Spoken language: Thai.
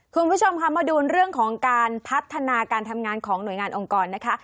คุณผู้ชมค่ะมาดูเรื่องของการพัฒนาการทำงานของหน่วยงานองค์กรนะคะ